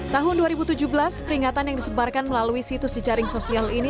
tahun dua ribu tujuh belas peringatan yang disebarkan melalui situs jejaring sosial ini